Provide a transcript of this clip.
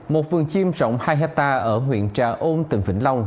một vườn chim rộng hai hectare ở huyện trà ôn tỉnh vĩnh long